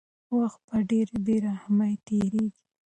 وخت په ډېرې بې رحمۍ تېرېږي.